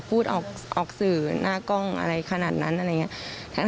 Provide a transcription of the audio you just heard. พูดออกสื่อหน้ากล้องอะไรขนาดนั้นอะไรอย่างนี้